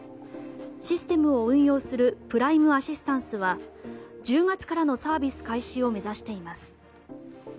システムを運用するプライムアシスタンスは１０月からのサービス開始を目指しています。